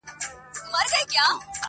ستا د بنگړيو شرنگاشرنگ چي لا په ذهن کي دی_